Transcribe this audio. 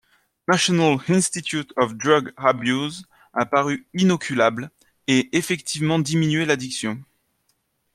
National Institute of Drug Abuse, a paru inoculable et effectivement diminuer l'addiction.